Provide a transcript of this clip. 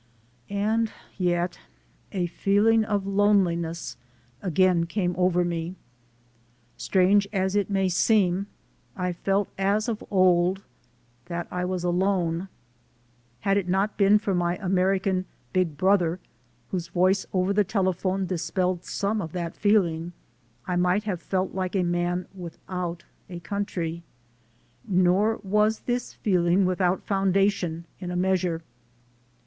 And yet a feeling of loneliness again came over me. Strange as it may seem, I felt as of old that I was alone. Had it not been for my American "Big Brother," whose voice over the telephone dispelled some of that feeling, I might have felt like a man without a country. Nor was this feeling without foundation, in a measure.